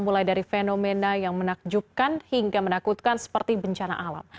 mulai dari fenomena yang menakjubkan hingga menakutkan seperti bencana alam